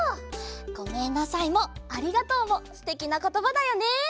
「ごめんなさい」も「ありがとう」もすてきなことばだよね！